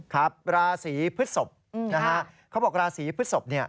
ครับราศรีพฤศพเขาบอกว่าราศรีพฤศพ